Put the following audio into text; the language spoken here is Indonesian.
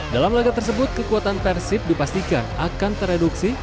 dalam laga tersebut kekuatan persib dipastikan akan tereduksi